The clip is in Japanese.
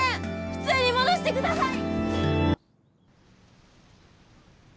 普通に戻してください！